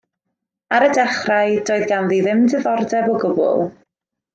Ar y dechrau doedd ganddi ddim diddordeb o gwbl.